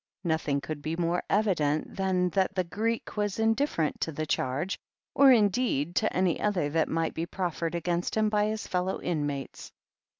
Nothing could be more evident than that the Greek was indifferent to the charge, or, indeed, to any other that might be proffered against him by his fellow inmates.